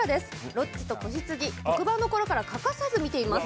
「ロッチと子羊」特番のころから欠かさず見ています。